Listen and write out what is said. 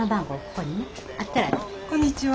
こんにちは。